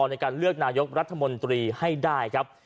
ในการเลือกนายกรัฐมนตรีให้ได้ครับ